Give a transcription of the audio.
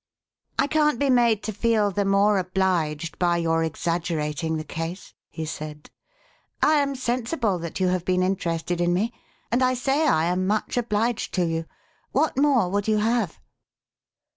"I can't be made to feel the more obliged by your exaggerating the case," he said. " I am sensible that you have been interested in me, and I say I am much obliged to you. What more would you have